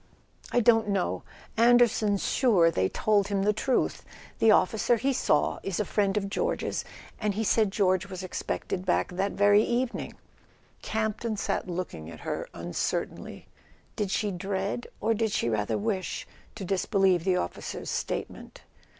"I don't know. Anderson's sure they told him the truth. The officer he saw is a friend of George's, and he said George was expected back that very evening." Camp ton sat looking at her uncertainly. Did she dread, or did she rather wish, to disbelieve the officer's statement?